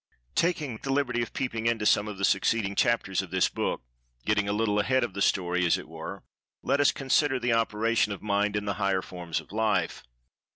Taking the liberty of peeping into some of the succeeding chapters of this book—getting a little ahead of the story, as it were—let us consider the operation of Mind in the higher forms of Life.